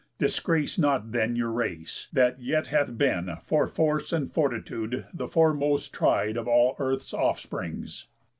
Disgrace not then your race, that yet hath been For force and fortitude the foremost tried Of all earth's offsprings."